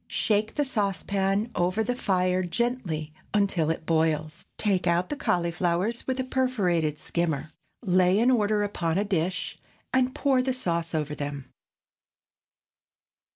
Shake the saucepan over the fire gently until it boils; take out the cauliflowers with a perforated skimmer, lay in order upon a dish, and pour the sauce over them.